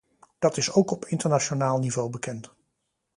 Dat is ook op internationaal niveau bekend.